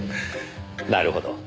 なるほど。